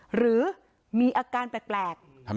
หรือมีอาการแปลก